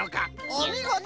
おみごと！